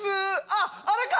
ああれか！